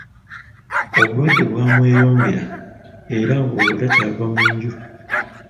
Obulwadde bwamweyongera era ng’olwo takyava mu nju.